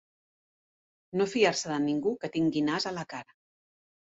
No fiar-se de ningú que tingui nas a la cara.